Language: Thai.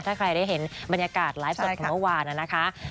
ถ้าใครได้เห็นบรรยากาศไลฟ์สดของเมื่อวานนะคะ